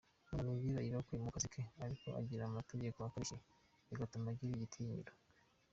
Ni umuntu ugira ibakwe mu kazi ke ariko agira amategeko akarishye bigatuma agira igitinyiro.